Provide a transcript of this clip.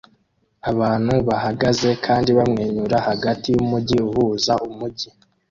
Abantu bahagaze kandi bamwenyura hagati yumujyi uhuza umujyi